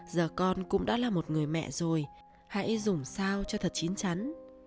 giờ con cũng đã là một người mẹ rồi hãy dùng sao cho thật chín chắn